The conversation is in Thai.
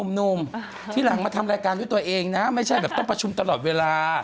หนุ่มที่หลังมาทำรายการด้วยตัวเองนะไม่ใช่แบบต้องประชุมตลอดเวลา